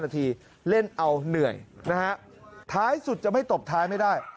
ท้ายสุดจะไม่ตบท้ายไม่ได้